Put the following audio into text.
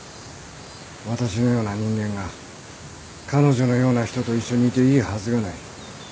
私のような人間が彼女のような人と一緒にいていいはずがない。